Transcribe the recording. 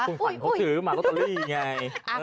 คุณขวัญเขาซื้อมาลอตเตอรี่ไง